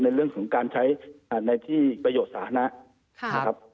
ในเรื่องของการใช้ในที่ประโยชน์สาธารณะนะครับ